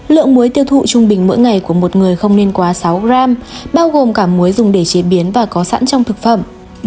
lượng muối tiêu thụ trung bình mỗi ngày của một người không nên quá sáu gram bao gồm cả muối dùng để chế biến và có sẵn trong thực phẩm